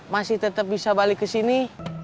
masih tetap bisa balik ke sini